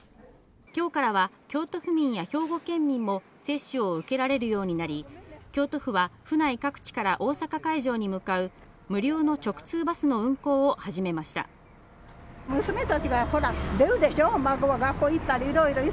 今日からは京都府民や兵庫県民も接種を受けられるようになり、京都府は府内各地から大阪会場に向かう、無料の直通バスの運行を始めました。